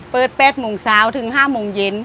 เปิด๘โมงเช้าถึง๕โมงเย็น